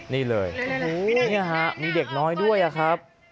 นี่เลยนี่ฮะมีเด็กน้อยด้วยอะครับ